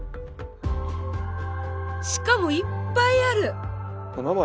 しかもいっぱいある！